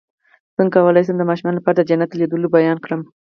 څنګه کولی شم د ماشومانو لپاره د جنت د لیدلو بیان کړم